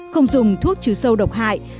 không dùng thuốc chứa sâu độc hại